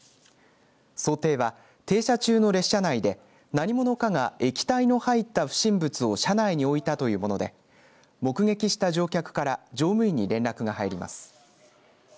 想定は停車中の列車内で何者かが液体の入った不審物を車内に置いたというもので目撃した乗客から乗務員に連絡が入ります。